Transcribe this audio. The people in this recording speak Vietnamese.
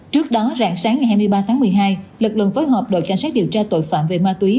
trước đó rạng sáng ngày hai mươi ba tháng một mươi hai lực lượng phối hợp đội cảnh sát điều tra tội phạm về ma túy